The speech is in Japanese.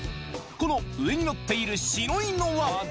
この上に載っている白いのは。